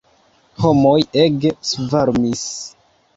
Homoj ege svarmis.